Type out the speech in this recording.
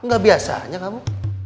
gak biasanya kamu